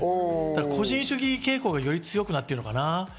個人主義傾向がより強くなってるのかな？